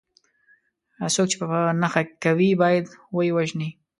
څوک چې په نښه کوي باید وه یې وژني.